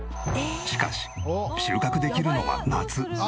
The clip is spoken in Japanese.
しかし収穫できるのは夏。